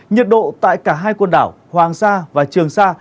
nhiệt độ tại cả hai quần đảo hoàng sa và trường sa